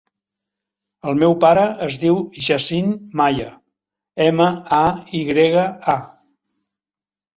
El meu pare es diu Yassin Maya: ema, a, i grega, a.